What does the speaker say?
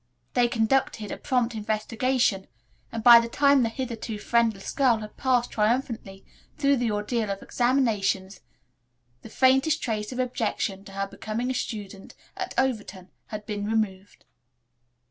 They conducted a prompt investigation and by the time the hitherto friendless girl had passed triumphantly through the ordeal of examinations the faintest trace of objection to her becoming a student at Overton had been removed.